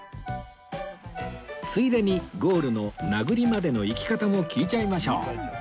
ついでにゴールの名栗までの行き方も聞いちゃいましょう